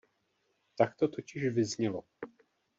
Tak to totiž vyznělo.